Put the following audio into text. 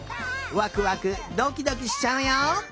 ワクワクドキドキしちゃうよ。